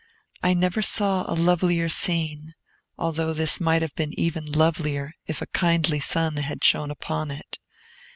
I never saw a lovelier scene; although this might have been even lovelier, if a kindly sun had shone upon it.